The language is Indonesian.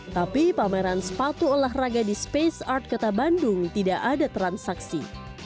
tapi pameran sepatu olahraga di space art kota bandung tidak ada transaksi